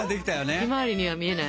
ひまわりには見えない。